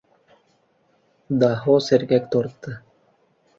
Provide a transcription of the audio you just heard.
Daho sergak tortdi.